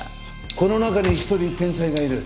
この中に一人天才がいる。